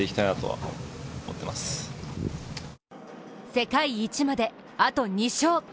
世界一まであと２勝。